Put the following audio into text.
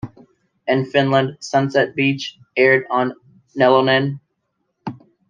In Finland "Sunset Beach" aired on Nelonen.